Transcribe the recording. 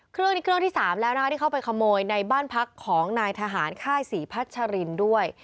เครื่องนี้เครื่องที่๓แล้วนะคะที่เข้าไปขโมยในบ้านพักของนายทหารค่ายศรีพัชรินด้วย